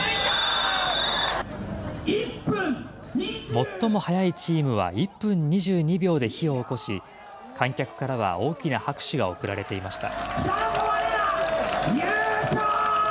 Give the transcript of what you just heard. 最も早いチームは１分２２秒で火をおこし、観客からは大きな拍手が送られていました。